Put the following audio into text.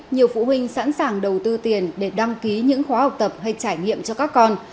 nhiều phụ huynh sẵn sàng đầu tư tiền để đăng ký những khóa học tập hay trải nghiệm cho các con